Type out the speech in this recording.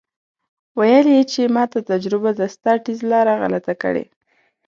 ویل یې چې ماته تجربه ده ستا ټیز لاره غلطه کړې.